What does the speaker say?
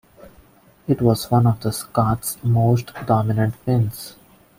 It was one of the Scot's most dominant wins.